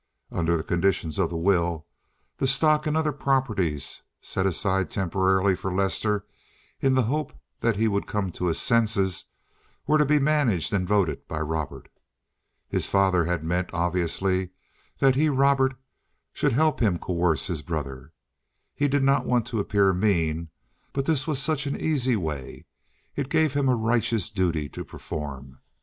Under the conditions of the will, the stock and other properties set aside temporarily for Lester, in the hope that he would come to his senses, were to be managed and voted by Robert. His father had meant, obviously, that he, Robert, should help him coerce his brother. He did not want to appear mean, but this was such an easy way. It gave him a righteous duty to perform.